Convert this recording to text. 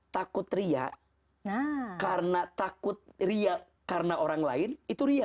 takut ria karena orang lain itu ria